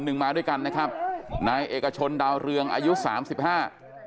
มาด้วยกันนะครับนายเอกชนดาวเรืองอายุสามสิบห้า